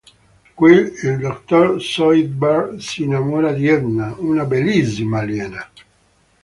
Qui il dottor Zoidberg si innamora di Edna, una "bellissima" aliena.